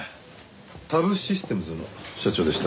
Ｔａｂシステムズの社長でした。